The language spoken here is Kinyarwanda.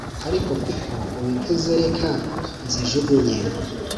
ariko kuko ubivuze reka nzijugunye